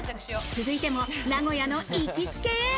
続いても名古屋の行きつけへ。